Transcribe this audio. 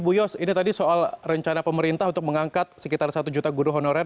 bu yos ini tadi soal rencana pemerintah untuk mengangkat sekitar satu juta guru honorer